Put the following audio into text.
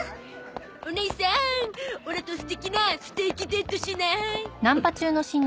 おねいさんオラとステキなステーキデートしない？